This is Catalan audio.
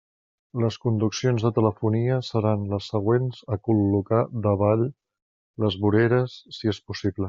Les conduccions de telefonia seran les següents a col·locar davall les voreres si és possible.